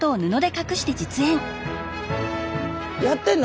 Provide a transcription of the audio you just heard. やってんの？